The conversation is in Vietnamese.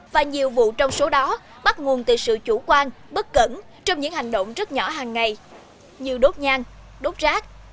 và nhiều vụ trong số đó bắt nguồn từ sự chủ quan bất cẩn trong những hành động rất nhỏ hàng ngày như đốt nhang đốt rác